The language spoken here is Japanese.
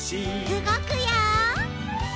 うごくよ！